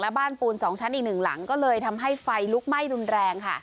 บ้านปูน๒ชั้นอีกหนึ่งหลังก็เลยทำให้ไฟลุกไหม้รุนแรงค่ะ